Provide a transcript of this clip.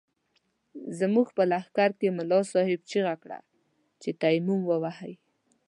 زموږ په لښکر ملا صاحب چيغه کړه چې تيمم ووهئ.